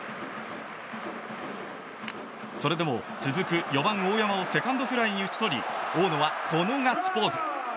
それでも続く４番、大山をセカンドフライに打ち取り大野はこのガッツポーズ。